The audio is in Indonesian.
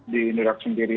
di new york sendiri